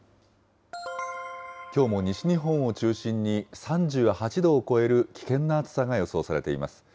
きょうも西日本を中心に３８度を超える危険な暑さが予想されています。